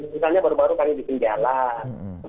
misalnya baru baru kami bikin jalan